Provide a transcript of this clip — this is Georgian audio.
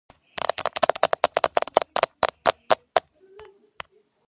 შეიარაღებული ძალების მთავარსარდალი.